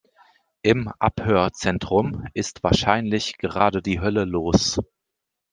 Im Abhörzentrum ist wahrscheinlich gerade die Hölle los.